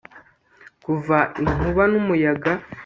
Kuva inkuba numuyaga